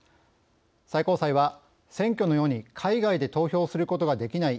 最高裁は、選挙のように海外で投票することができない